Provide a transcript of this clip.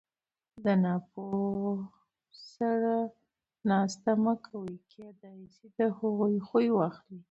د ناپوهو سره ناسته مه کوئ! کېداى سي د هغو خوى واخلى!